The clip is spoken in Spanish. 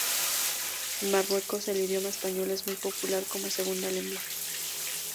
En Marruecos el idioma español es muy popular como segunda lengua.